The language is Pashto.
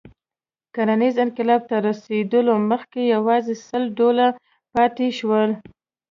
کرنیز انقلاب ته تر رسېدو مخکې یواځې سل ډوله پاتې شول.